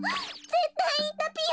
ぜったいいたぴよ！